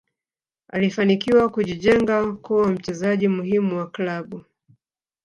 alifanikiwa kujijenga kuwa mchezaji muhimu wa klabu